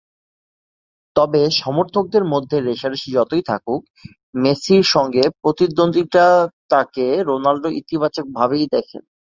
তবে সমর্থকদের মধ্যে রেষারেষি যতই থাকুক, মেসির সঙ্গে প্রতিদ্বন্দ্বিতাটাকে রোনালদো ইতিবাচকভাবেই দেখেন।